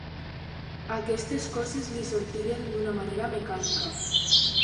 Aquestes coses li sortien d'una manera mecànica.